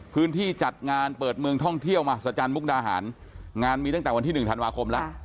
พื้นที่จัดงานเปิดเมืองท่องเที่ยวมหัศจรรย์มุกดาหารงานมีตั้งแต่วันที่๑ธันวาคมแล้ว